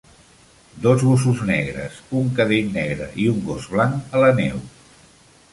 Dos gossos negres, un cadell negre i un gos blanc a la neu.